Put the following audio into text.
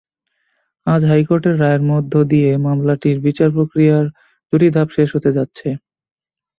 আজ হাইকোর্টের রায়ের মধ্য দিয়ে মামলাটির বিচারপ্রক্রিয়ার দুটি ধাপ শেষ হতে যাচ্ছে।